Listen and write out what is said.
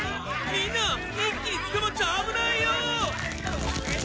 みんな一気につかまっちゃあぶないよ！